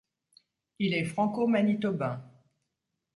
Il est franco-manitobain.